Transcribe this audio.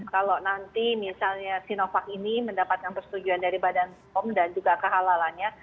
kalau nanti misalnya sinovac ini mendapatkan persetujuan dari badan pom dan juga kehalalannya